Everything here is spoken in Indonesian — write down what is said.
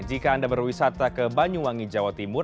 jika anda berwisata ke banyuwangi jawa timur